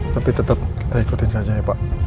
tapi tetap kita ikutin saja ya pak